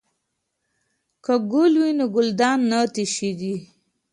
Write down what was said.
که ګل وي نو ګلدان نه تشیږي.